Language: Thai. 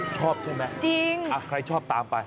ชอบใช่ไหมจริงใครชอบตามไป